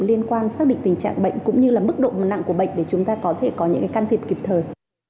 liên quan xác định tình trạng bệnh cũng như là mức độ nặng của bệnh để chúng ta có thể có những can thiệp kịp thời